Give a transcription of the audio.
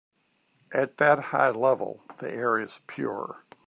At that high level the air is pure.